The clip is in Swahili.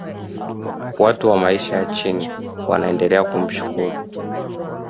watu wa maisha ya chini wanaendelea kumshukuru